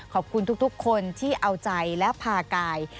ขอบคุณทุกคนที่เอาใจและพากาย